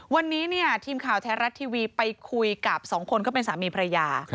วันนี้ทีมข่าวไทยรัฐทีวีไปคุยกับสองคนก็เป็นสามีภรรยา